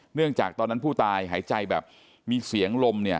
เนื่องจากตอนนั้นผู้ตายหายใจแบบมีเสียงลม